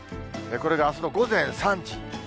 これがあすの午前３時。